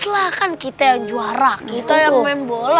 kenapa kalo buat musim lu nyembit